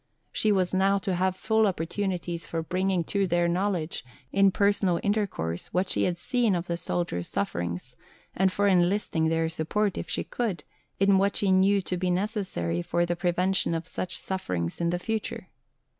She was now to have full opportunities for bringing to their knowledge, in personal intercourse, what she had seen of the soldiers' sufferings, and for enlisting their support, if she could, in what she knew to be necessary for the prevention of such sufferings in the future.